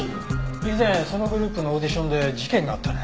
以前そのグループのオーディションで事件があったね。